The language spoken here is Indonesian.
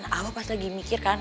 tuh kan abah pas lagi mikir kan